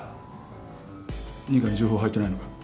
二課に情報は入ってないのか？